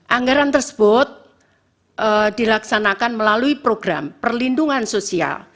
anggaran tersebut dilaksanakan melalui program perlindungan sosial